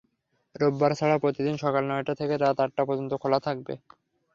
রোববার ছাড়া প্রতিদিন সকাল নয়টা থেকে রাত আটটা পর্যন্ত খোলা থাকবে।